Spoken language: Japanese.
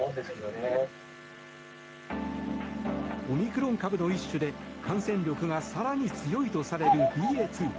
オミクロン株の一種で感染力が更に強いとされるＢＡ．２。